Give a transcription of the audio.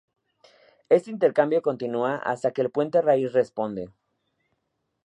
Este intercambio continúa hasta que el puente raíz responde.